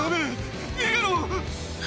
逃げろ！